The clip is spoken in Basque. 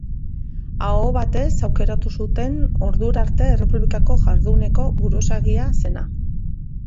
Aho batez aukeratu zuten ordura arte errepublikako jarduneko buruzagia zena.